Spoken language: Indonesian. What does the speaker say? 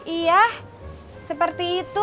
iya seperti itu